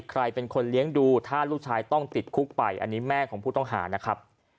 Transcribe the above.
ใครเป็นคนเลี้ยงดูถ้าลูกชายต้องติดคุกไปอันนี้แม่ของผู้ต้องหานะครับ